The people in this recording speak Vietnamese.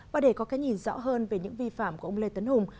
và để có cái nhìn rõ hơn về những vi phạm của ông lê tấn hùng